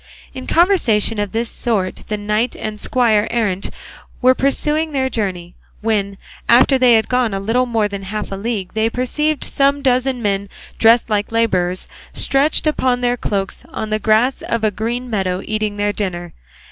In conversation of this sort the knight and squire errant were pursuing their journey, when, after they had gone a little more than half a league, they perceived some dozen men dressed like labourers stretched upon their cloaks on the grass of a green meadow eating their dinner.